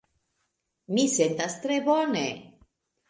Mi sentas tre bone.